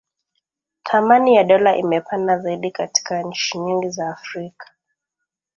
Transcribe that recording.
Thamani ya dola imepanda zaidi katika nchi nyingi za Afrika